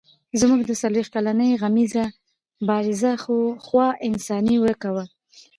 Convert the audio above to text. زموږ د څلوېښت کلنې غمیزې بارزه خوا انساني ورکه وه.